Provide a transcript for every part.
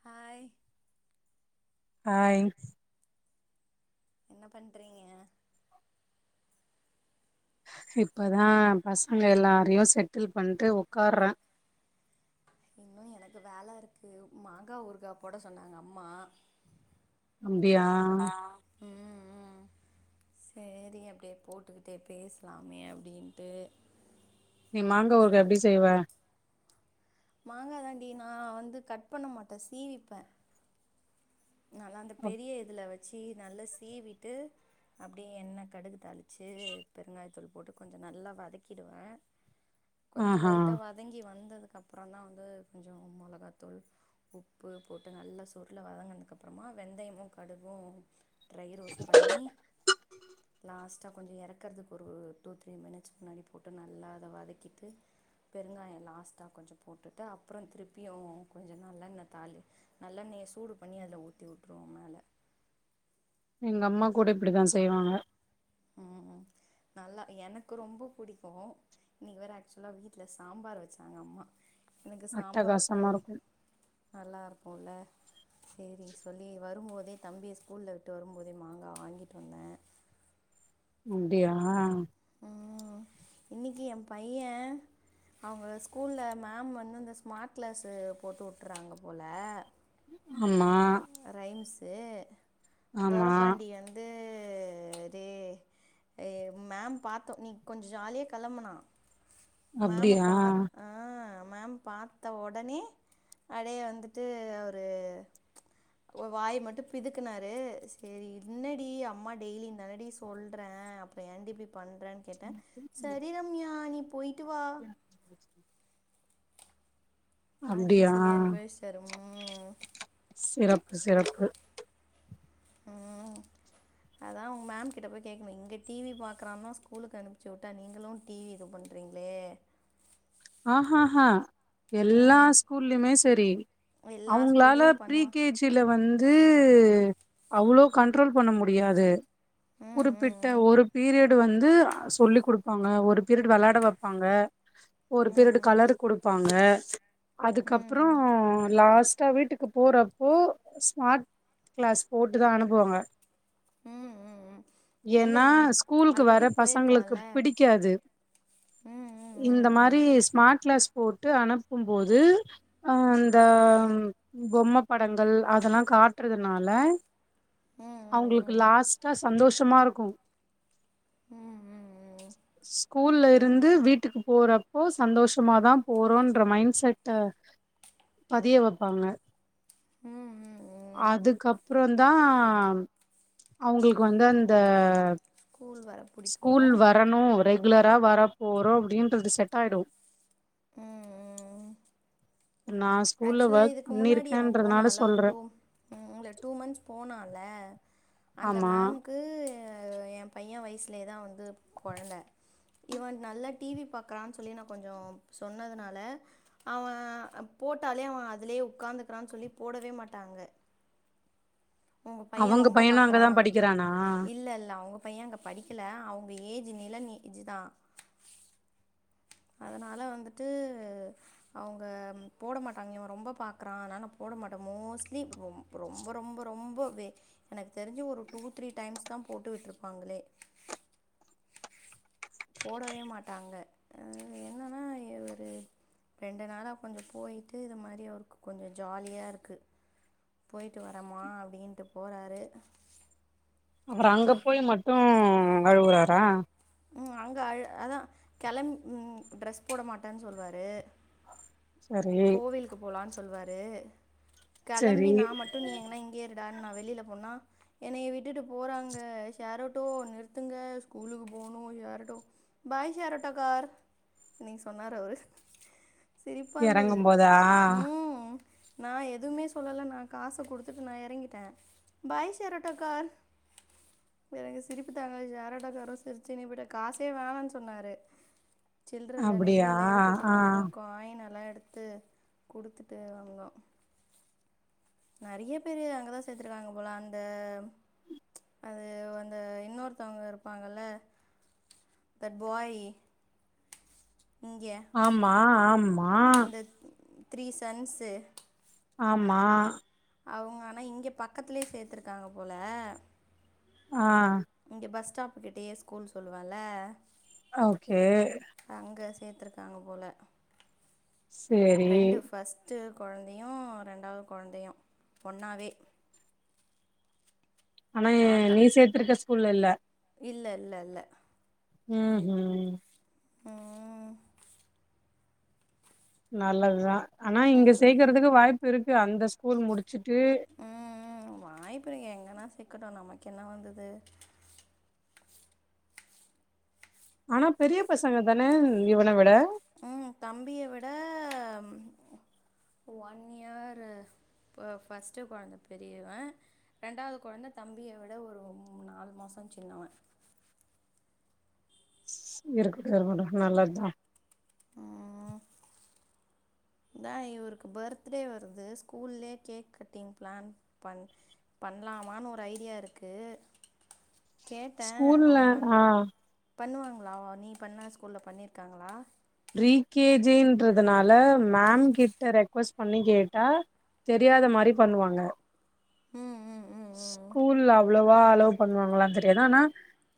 hi hi என்ன பண்றீங்க இப்போ தான் பசங்கள எல்லாரையும் செட்டில் பண்ணிட்டு உக்காறன் இன்னு எனக்கு வேல இருக்கு மாங்கா ஊறுகா போட சொன்னாங்க அம்மா அப்டியா ஆ ம் ம் சேரி அப்டியே போட்டுக்கிட்டே பேசலாமே அப்படின்ட்டு நீ மாங்கா ஊறுகா எப்டி செய்வ மாங்கா தாண்டி நா வந்து கட் பண்ண மாட்டே சீவிப்பே நல்லா அந்த அப்- பெரிய இதுல வச்சு நல்லா சீவிட்டு அப்டியே எண்ணெ கடுகு தாளிச்சு பெருங்காயத்தூள் போட்டு கொஞ்ஜோம் நல்லா வதக்கிடுவேன் [inaudible] கொஞ்ஜோம் லைட்டா வதங்கி வந்ததுக்கு அப்புறோம் தான் வந்து கொஞ்ஜோம் மொளகா தூள் உப்பு போட்டு நல்லா சுருள வதங்குனதுக் அப்றமா வெந்தயமு கடுகு ட்ரை ரோஸ்ட் பண்ணி லாஸ்ட்டா கொஞ்ஜோம் இறக்க வருக்குறதுக்கு ஒரு டூ த்ரீ மினிட்ஸ் முன்னாடி போட்டு நல்லா அத வதக்கிட்டு பெருங்காயம் லாஸ்ட்டா கொஞ்ஜோம் போட்டுட்டு அப்புறோம் திருப்பியும் கொஞ்ஜோம் நல்ல எண்ண தாலி நல்லெண்ணய சூடு பண்ணி அதுல ஊத்தி உட்டுருவோ மேல எங்க அம்மா கூட இப்டித்தா செய்வாங்க ம் ம் நல்லா எனக்கு ரொம்ப புடிக்கு இன்னக்கி வேற ஆக்சுவலா வீட்ல சாம்பார் வச்சாங்க அம்மா எனக்கு சாம்பாருக்கு அட்டகாசமா இருக்கு நல்லா இருக்குல செரி சொல்லி வரும்போதே தம்பிய ஸ்கூலில விட்டு வரும் போதே மாங்கா வாங்கிட்டு வந்த அப்டியா ம் இன்னிக்கு ஏ பைய அவுங்க ஸ்கூல மேம் வந்து இந்த ஸ்மார்ட் கிளாஸு போட்டு வுட்றாங்க போல ஆமா ரைம்ஸு ஆமா தொரப்பாண்டி வந்து ரே ஏ மேம் பாத்த ஒன்னி கொஞ்ச ஜாலியா கிளம்புனா மேம்ம அப்டியா பாத் ஆ மேம் பாத்த ஒடனே அப்டியே வந்துட்டு ஒரு வாய் மட்டு பிதுக்குனாரு செரி என்னடி அம்மா டெய்லி தானாடி சொல்ற அப் அப்ப ஏன்டி இப்டி பண்றேன் கேட்டெ சரி ரம்யா நீ போய்ட்டு வா [inaudible] வாடின்னு அப்டியா சொல்லி அனுப்பிவச்டாரு ம் சிறப்பு சிறப்பு ம் அதா உங்க மேம்கிட்ட போய் கேட்கணு இங்க டிவி பாக்குறானு தா ஸ்கூலுக்கு அனுப்சி உட்டா நீங்களு டிவி இது பண் றீங்ளே ஆஹஹ எல்லா ம் ஸ்கூல்லய்மே சரி எல்லா அவுங்ளால ஸ்கூல்லயு ப்ரீ பண்ணுவா கேஜி ஜில வந்து அவ்ளோ கண்ட்ரோல் பண்ண முடியாது ம் ம் குறிப்பிட்ட ம் ஒரு பீரியட் வந்து சொல்லி குடுப்பாங்க ஒரு பீரியட் வெளாட வெப்பாங்க ஒரு ம் பீரியடு ம் கலர் குடுப்பாங்க ம் அதுக்கப்றோ ம் லாஸ்ட்டா வீட்டுக்கு போறப்போ ஸ்மார்ட் கிளாஸ் போட்டு தா அனுப்புவாங்க ம் ம் ம் இல்லை ஏனா ம் ஸ்கூலுக்கு வர ஆல்ரெடி பசங்களுக்கு போயிருக்கான்ல பிடிக்காது ம் ம் இந்த ம் மாரி ம் ஸ்மார்ட் கிளாஸ் போட்டு அனுப்பும் போது அ இந்த பொம்ம படங்கள் அதெல்லா காட்றதுனால ம் ம் அவுங்களுக்கு ம் லாஸ்டா சந்தோஷமா இருக்கு ம் ம் ம் ஸ்கூல்ல ருந்து வீட்டுக்கு போறப் போ சந்தோஷமாதா போறோன்ற மைண்ட் செட்ட பதிய வைப்பாங்க ம் ம் ம் அதுக்கப் அப்றோ தா அவுங்களுக்கு வந்து அந்த கூழ் வர ஸ்கூல் பிடிக்கும் வரணு ரெகுலரா வர போறோ அப்டின்றது செட் ஆயிடு ம் ம் நா ஸ்கூல்ல ஆக்சுவலா ஒர்க் இதுக்கு முன்னாடி அவ பண்ணிருக்கேன்றதுனால போனால ஒரு சொல்றே டூ ம் நூலேட் டூ மந்த்ஸ் போனால அந்த ஆமா மேம் க்கு ஏ பைய வயசுலேத வந்து கொழந்த இவ நல்ல டிவி பாக்கறான்னு சொல்லி நா கொஞ்சோ சொன்னதுனால அவே போட்டாலே அவ அதுலயே உட்காந்துக்கிறான்னு சொல்லி போடவே மாட்டாங்க உங்க பைய அவங்க ரொம்ப பையனு பாக்குறா அங்கதா படிக்கிறானா இல்ல இல்ல அவுங்கப் பைய அங்க படிக்கல அவுங்க ஏஜ் நிலன் ஏஜ் தா அதனால வந்துட்டு அவுங்க போட மாட்டாங்க இவன் ரொம்ப பாக்கறான் ஆனா நான் போட மாட்டே மோஸ்ட்லி ரொம்ப ரொம்ப ரொம்பவே எனக்கு தெரிஞ்சு ஒரு டூ த்ரீ டைம்ஸ் தான் போட்டு விட்ருப்பாங்களே [inaudible] போடவே மாட்டாங்க என்னன்னா [inaudible] ஒரு ரெண்டு நாளா கொஞ்சம் போய்டிட்டு இது மாரி அவருக்கு கொஞ்சம் ஜாலியாக இருக்கு போயிட்டு வரமா அப்டின்ட்டு போறாரு அப்றோ அங்க போய் மட்டும் அழுவுறாரா உம் அங்க அ அதான் கிளம்ப ட்ரெஸ் போட மாட்டேன்னு சொல்லுவாரு சரி கோவிலுக்கு போலான்னு சொல்லுவாரு கெளம்பி சரி நான் மட்டும் நீ எங்னா இங்கேய இருடான் நா வெளியில போனா என்னைய விட்டுட்டு போறாங்க ஷேரோட்டோ நிறுத்துங்க ஸ்கூலுக்கு போனும் யாரட்டோ பாய் ஷேரட்டோ கார் இன்னைங் சொன்னாரு அவரு சிரிப்பா இருந்தது எறங்கும் போதா உம் நான் எதுவுமே சொல்லல நா காச குடுத்துட்டு நா இறங்கிட்டேன் பாய் ஷேராட்டோ கார் வேற எங்க சிரிப்பு தாங்கல ஷேர் ஆட்டோக்காரு சிருச்சின்னே விட காசே வேணான்னு சொன்னாரு சில்ர இல்லன்னே இல்ல அப்டியா இல்ல ஆ இருக்கட்டுனு அப்புறோ காயினெல்லா எடுத்து குடுத்துட்டு வந்தோ நெறைய பேரு அங்கதா சேத்திருக்காங்க போல அந்த அது அந்த இன்னொருத்தவங்க இருப்பாங்கல்ல தட் பாய் இங்க ஆமா ஆமா இந்த த்ரீ சன்ஸூ ஆமா அவங்க ஆனா இங்க பக்கத்துலே சேத்திருக்காங்க போல ஆ இங்க பஸ் ஸ்டாப்பு கிட்டயே ஸ்கூல் சொல்லுவல ஓகே அங்க சேர்த்தருக்காங்க போல சேரி ரெண்டு ஃபஸ் ஸ்டு கொழந்தயு ரெண்டாவது கொழந்தயு பொன்னாவே ஆனா நீ சேத்திருக்க ஸ்கூல்ல இல்ல இல்ல இல்ல இல்ல ம் ஹூம் ம்ம் நல்லதுதா ஆனா இங்க நல்ல- சேக்குறதுக்கு வாய்ப்பு இருக்கு அந்த ஸ்கூல் முடிச்சுட்டு ம் ம் வாய்ப்பிருக் எங்கன்னா சேக்கட்டு நமக்கு என்ன வந்தது ஆனா பெரிய பசங்க தான இவன விட ம் தம்பிய விட ஒன் இயர் ப ஃபர்ஸ்ட்டு கொழந்த பெரியவ ரெண்டாவது கொழந்த தம்பிய விட ஒரு ஒம் நாலு மாசோ சின்னவ இருக்குட்டு இருக்கட்டு நல்லது தா ஆ இந்தா இவருக்கு பர்த்டே வருது ஸ்கூல்லே கேக் கட்டிங் பிளான் பண் பண்ணலாமான் ஒரு ஐடியா இருக்கு கேட்டே அவ ஸ்கூல்ல மே ஆ பண்ணுவாங்களா நீ பண்ண ஸ்கூல்ல பண்ணியிருக்காங்களா ப்ரீ கே ஜின்றதுனால மேம் கிட்ட ரெக்வஸ்ட் பண்ணி கேட்டா தெரியாத மாதி பண்ணுவாங்க ம் ம் ம் ம் ஸ்கூல்ல அவ்ளவா அலோ பண்ணுவாங்களா தெரியாது ஆனா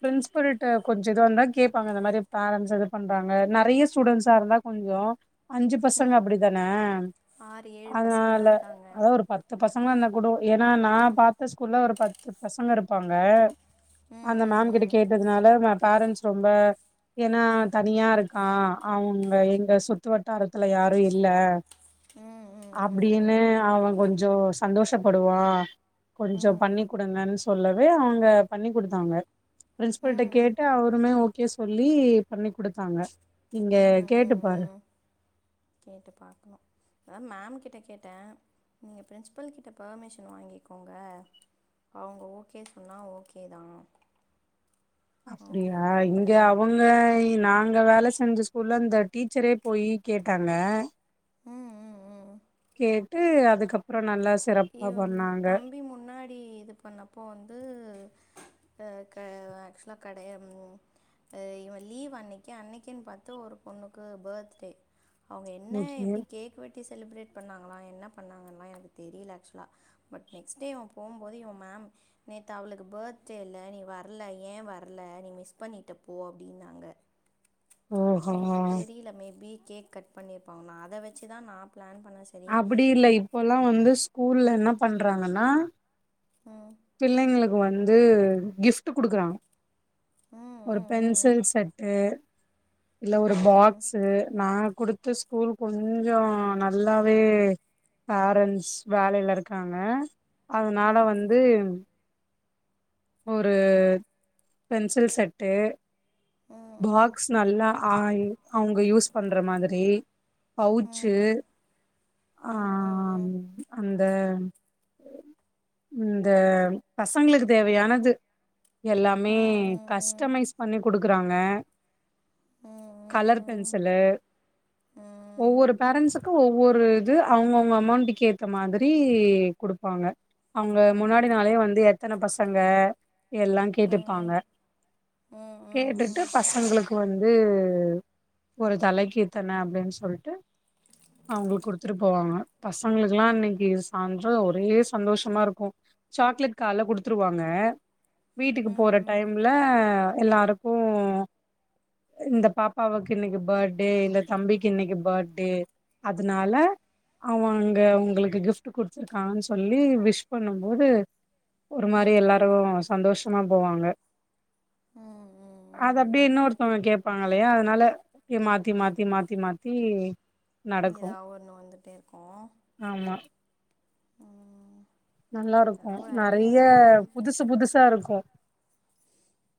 பிரின்ஸுபிள்கிட்ட கொஞ்சோ இதா இருந்தா கேப்பாங்க இந்த மாரி பேரன்ட்ஸு இது பண்றாங்க நெறைய ஸ்டூடெண்ட்ஸா இருந்தா கொஞ்சோ அஞ்சு பசங்க அப்டித்தான ஆறு ஏழு பசங்க அதுனால தான் இருக்காங்க அதா ஒரு பத் பத்து பசங்கலா இருந்தா குடு ஏனா நா பாத்த ஸ்கூல்ல ஒரு பத்து பசங்க இருப்பாங்க ம் அந்த ம் மேம் கிட்ட ம் கேட்டதுனால இவெ பேரண்ட்ஸ் ரொம்ப ஏனா தனியா இருக்கா அவுங்க எங்க சுத்து வட்டாரத்துல யாரு இல்ல ம் ம் அப்டினு அவெ கொஞ்சோ சந்தோஷப்படுவா ம் ம் கொஞ்ச ம் பண்ணி குடுங்கன் சொல்லவே அவுங்க பண்ணி குடுத்தாங்க ம் பிரின்ஸ்பில்கிட்ட ம் கேட்டு அவருமே ஓகே சொல்லி பண்ணி குடுத்தாங்க நீங்க கேட்டு பாரு நேத்து பார்க்கணும் அதா மேம் கிட்ட கேட்டே நீங்க பிரின்ஸ்பல் கிட்ட பர்மிஷன் வாங்கிக்கோங்க அவுங்க ஓகே சொன்னா ஓகே தா அப்டியா இங்க அவ இல்லை நாங்க வேல செஞ்ச ஸ்கூல்ல அந்த டீச்சரே போயி கேட்டாங்க ம் ம் ம் கேட்டு அதுக்கப்பறோ நல்லா சிறப் இவன் தம்பி முன்னாடி இது பண்ணப்போ வந்து ஆ க ஆக்சுவலா கடய அ இவெ லீவ் அன்னக்கி அன்னக்கின் பாத்து ஒரு பொண்ணுக்கு பர்த்டே அவுங்க என்ன ஓகே எப்டி கேக் வெட்டி செலிப்ரேட் பண்ணாங்களா என்ன பண்ணாங்கல்லா எனக்கு தெரில ஆக்சுவலா பட் நெக்ஸ்ட் டே இவெ போம்போது இவெ மேம் நேத்து அவளுக்கு பர்த்டேல்ல நீ வரல ஏ வரல நீ மிஸ் பண்ணிட்ட போ அப்டின்னாங்க ஓஹோ தெரில மேபி கேக் கட் பண்ணிருப்பாங்க நா அத வச்சு தா நா பிளான் பண்ணே அப்டி இல்ல இப்போல்லா வந்து ஸ்கூல்ல என்ன பண்றாங்கன்னா ஆ பிள்ளைங்களுக்கு வந்து கிஃப்ட்டு குடுக்குறாங்க ஒரு ம் ம் பென்சில் செட்டு இல்ல ஒரு ம் பாக்ஸூ நாங்க குடுத்து ஸ்கூல் கொஞ்சோ நல்லாவே பேரண்ட்ஸ் வேலேல இருக்காங்க ம் அதுனால ம் வந்து ஒரு பென்சில் செட்டு ம் ம் பாக்ஸ் நல்லா ஆய் அவுங்க யூஸ் பண்ற மாதிரி பவுச்சு ம் ஆ ம் அந் த இந்த பசங்களுக்கு தேவையானது எல்லாமே ம் கஸ்டமைஸ் பண்ணி குடுக்குறாங்க கலர் ம் பென்சிலு ம் ஒவ்வொரு பேரண்ட்ஸுக்கு ஒவ்வொரு இது அவுங்கவுங்க அமோண்ட்டுக்கு ஏத்த மாதிரி குடுப்பாங்க அவுங்க பாங்க முன்னாடி நாளே வந்து எத்தன பசங்க எல்லா ம் கேட்டுப்பாங்க ம் கேட்டுட்டு ம் பசங்களுக்கு வந்து ஒரு தலக்கி இத்தன அப்டின் சொல்ட்டு அவுங்களுக்கு குடுத்துட்டு போவாங்க பசங்களுக்கலா அன்னக்கி சான்றோ ஒரே சந்தோஷமா இருக்கு சாக்லேட் கால்ல குடுத் குடுத்துருவாங்க வீட்டுக்கு போற ம் டைம்ல எல்லாருக்கு இந்த பாப்பாவுக்கு இன்னக்கி பர்ட்டே இந்த தம்பிக்கு இன்னக்கி பர்ட்டே அதுனால அவெ அங்க அவுங்களுக்கு கிஃப்ட் குடுத்துருக்கான் சொல்லி விஷ் பண்ணும் போது ஒரு மாரி ம் எல்லாரும் சந்தோஷமா போவாங்க அத அப்டியே ம் இன்னோருத்தவுங்க கேப்பாங்கலே அதுனால எ மாத்தி மாத்தி மாத்தி மாத்தி நடக்கு ஏதா ஒன்னு வந்துட்டே இருக்கு ஆமா நல்லா இருக்கு ஐடியா நெறைய இருக்குது புதுசு புதுசா இருக்கு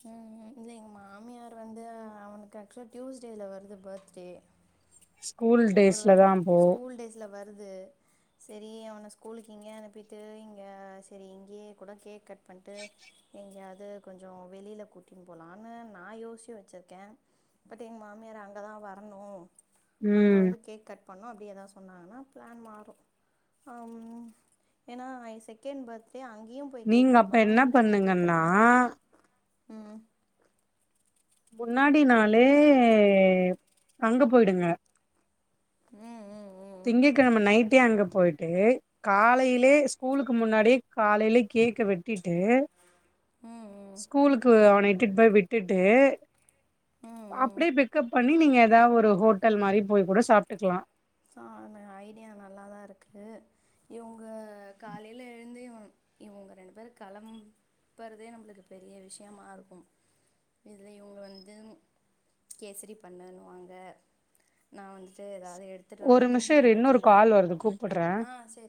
ம் ம் இல்ல எங்க மாமியார் வந்து அவனுக்கு ஆக்சுவலா டியூஸ்டேல வருது பர்த்டே ஸ்கூல் ஒருவா டேஸ்ல தா அப்போ ஸ்கூல் டேஸ்ல வருது செரி அவன ஸ்கூலுக்கு இங்கயே அனுப்பிட்டு இங்க செரி இங்கயே கூட கேக் கட் பண்ட்டு எங்கயாது கொஞ்சோ வெளில கூட்டின்னு போலான்னு நா யோசிச்சி வச்சிருக்கே பட் எங்க மாமியார் அங்கதா வரணு அங்க ம் வந்து கேக் கட் பண்ணனு அப்டி எதா சொன்னாங்கன்னா பிளான் மாறு ஆமா ஏன்னா இது செகண்ட் பர்த்டே அங்கயு போய் கேக் நீங்க கட் அப்ப பண்ணனு என்ன இங்கயு கேக் கட் பண்ணுங்கன்னா பண்ணுவாங்க ம் முன்னாடி நாளே அங்க போயிடுங்க ம் ம் ம் திங்கக்கெழம நைட்டே அங்க போயி்ட்டு காலைலே ஸ்கூலுக்கு முன்னாடியே காலைலே கேக்க வெட் கூட்டிட்டு ம் ஸ்கூலுக்கு அவன இட்டுட்டு போய் விட்டுட்டு ம் ம் ம் அப்டியே பிக்கப் பண்ணி நீங்க ஏதா ஒரு ஹோட்டல் மாரி போய் கூட சாப்ட்டுக்கலா சானு ஐடியா நல்லாதா இருக்கு இவுங்க காலைல எழுந்து இவ இவுங்க ரெண்டு பேர் கெளம் பறதே நம்மளுக்கு பெரிய விஷயமா இருக்கும் இதுல இவுங்க வந்து கேசரி பண்ணுனுவாங்க நா வந்துட்டு ஏதாவது எடுத்துட்டு வர்றே ஒரு மட்டன் நிமிஷோ சிக்கன் இரு இன்னொரு எடுத்துன்னு கால் வருது கூப்புட்றே வந்தே